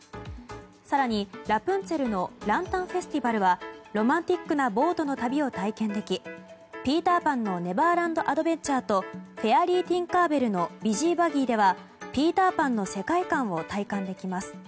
更に、ラプンツェルのランタンフェスティバルはロマンチックなボートの旅を体験できピーターパンのネバーランドアドベンチャーとフェアリー・ティンカーベルのビジーバギーでは「ピーター・パン」の世界観を体感できます。